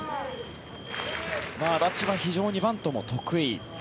安達は非常にバントも得意。